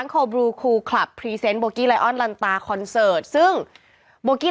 ก็ไปวางวัวที่เสือโหล